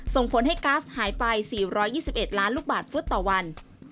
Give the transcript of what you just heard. ส่งผลให้ก๊าซหายไป๔๒๑ล้านลูกบาทฟุตต่อวัน